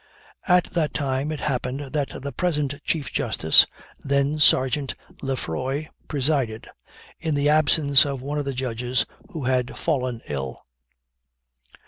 At that time it happened that the present Chief Justice, then Sergeant, Lefroy presided, in the absence of one of the judges who had fallen ill.